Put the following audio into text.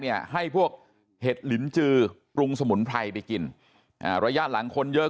เนี่ยให้พวกเห็ดลินจือปรุงสมุนไพรไปกินอ่าระยะหลังคนเยอะ